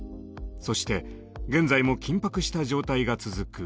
そして現在も緊迫した状態が続く